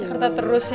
jakarta terus ya